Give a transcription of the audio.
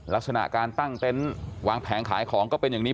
ลักษณะการตั้งเต็นต์วางแผงขายของก็เป็นอย่างนี้